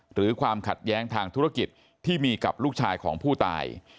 ความขัดแย้งทางธุรกิจที่มีกับลูกชายของผู้ตาย